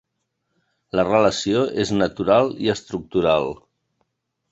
La relació és natural i estructural.